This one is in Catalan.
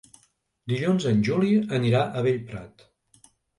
Dilluns en Juli anirà a Bellprat.